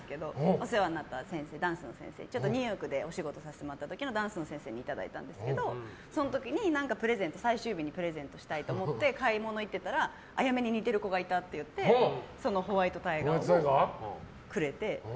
お世話になったダンスの先生にニューヨークでお仕事させてもらった時のダンスの先生にいただいたんですけど、その時に最終日にプレゼントしたいと思って買い物行ってたら彩芽に似ている子がいたって言ってホワイトタイガーをくれて。